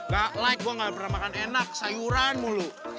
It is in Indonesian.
gak like gue gak pernah makan enak sayuran mulu